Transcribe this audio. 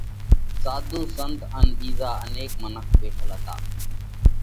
ساڌُو، سنت ان ٻِيزا انيڪ منک ٻيٺل هتا۔